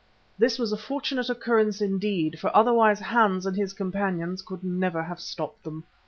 This was a fortunate occurrence indeed, for otherwise Hans and his companions could never have stopped them.